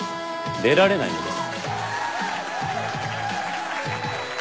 出られないのです。